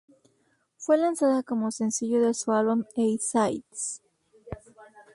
Fue lanzada como sencillo de su álbum A-Sides.